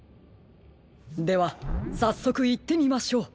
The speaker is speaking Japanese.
ではさっそくいってみましょう。